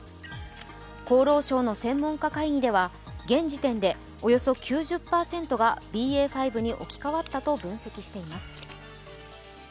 厚労省の専門家会議では現時点でおよそ９０％がＢＡ．５に置き換わったと分析しています。